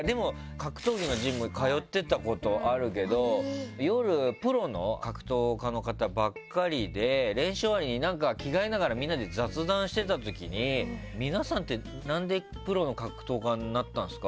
格闘技のジム通ってたことあるけど夜、プロの格闘家の方ばっかりで着替えながら雑談してた時に皆さんって何でプロの格闘家になったんですか？